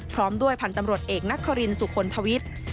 พร้อมด้วยพันธ์ตำรวจเอกนครินสุคลทวิทย์